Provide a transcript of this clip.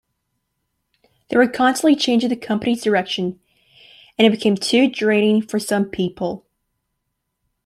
They were constantly changing the company's direction, and it became too draining for some people.